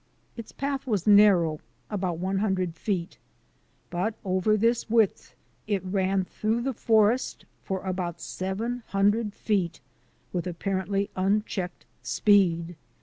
Its path was narrow, about one hundred feet. But over this width it ran through the forest for about seven hundred feet with apparently unchecked speed.